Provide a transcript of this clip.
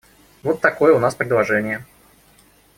Вот такое у нас предложение.